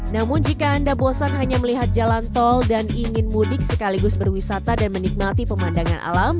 namun jika anda bosan hanya melihat jalan tol dan ingin mudik sekaligus berwisata dan menikmati pemandangan alam